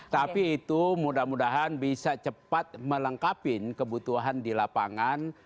tapi itu mudah mudahan bisa cepat melengkapi kebutuhan di lapangan